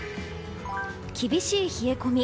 厳しい冷え込み。